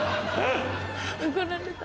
怒られた。